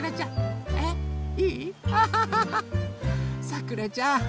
さくらちゃん